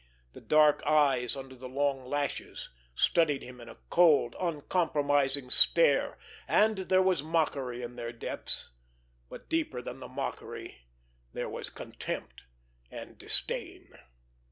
The dark eyes, under the long lashes, studied him in a cold, uncompromising stare; and there was mockery in their depths, but deeper than the mockery there was contempt and disdain.